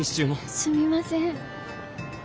すみません。